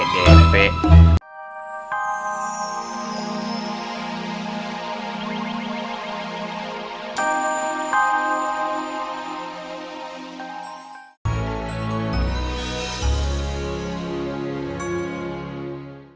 jangan pake dlp